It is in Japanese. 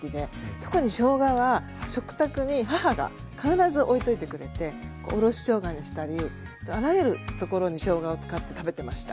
特にしょうがは食卓に母が必ず置いといてくれてこうおろししょうがにしたりあらゆるところにしょうがを使って食べてました。